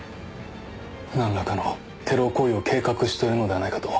何らかのテロ行為を計画しているのではないかと。